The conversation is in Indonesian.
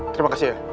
terima kasih ya